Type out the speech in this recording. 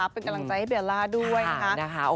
เป็นกำลังใจให้เบลล่าด้วยนะคะ